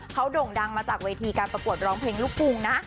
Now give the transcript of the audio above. เขาโด่งดังมาจากเวทีการประกวดร้องเพลงลูกกรุงนะ